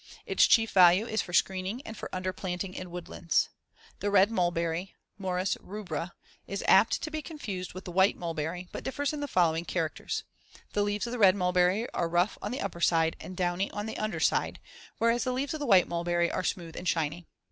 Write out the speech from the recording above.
Its chief value is for screening and for underplanting in woodlands. The red mulberry (Morus rubra) is apt to be confused with the white mulberry, but differs in the following characters: The leaves of the red mulberry are rough on the upper side and downy on the under side, whereas the leaves of the white mulberry are smooth and shiny.